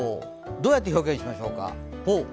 どうやって表現しましょうか。